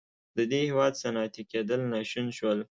د دې هېواد صنعتي کېدل ناشون شول.